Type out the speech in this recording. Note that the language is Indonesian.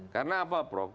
karena apa prof